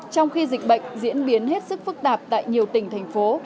trong khi dịch bệnh diễn biến hết sức phức tạp tại nhiều tỉnh thành phố